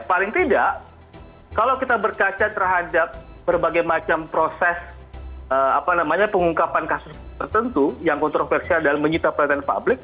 paling tidak kalau kita berkaca terhadap berbagai macam proses pengungkapan kasus tertentu yang kontroversial dalam menyita perhatian publik